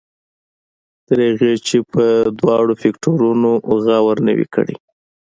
تر هغې چې پر دواړو فکټورنو غور نه وي کړی.